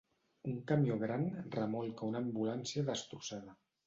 Un camió gran remolca una ambulància destrossada.